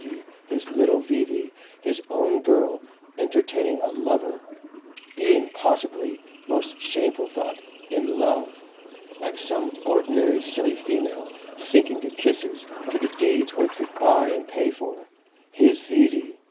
V., his little V.V., his own girl, entertaining a lover, being possibly most shameful thought IN LOVE! Like some ordinary silly female, sinking to kisses, to the deeds one could buy and pay for. His V.V.!